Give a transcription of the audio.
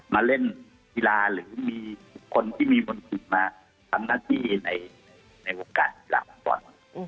มาเล่นธิราหรือมีบุคคลที่มีมนติศิลป์มาทำหน้าที่ในโอกาสธิราบตอน